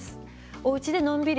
おうちでのんびり。